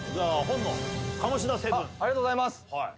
ありがとうございます。